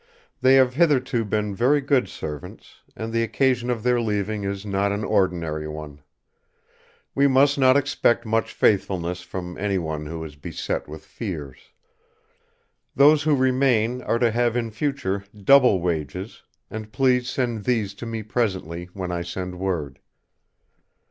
They have hitherto been very good servants; and the occasion of their leaving is not an ordinary one. We must not expect much faithfulness from any one who is beset with fears. Those who remain are to have in future double wages; and please send these to me presently when I send word."